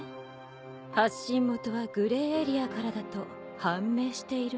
発信元はグレーエリアからだと判明しているの。